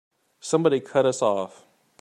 Somebody cut us off!